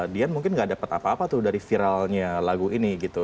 dian mungkin gak dapat apa apa tuh dari viralnya lagu ini gitu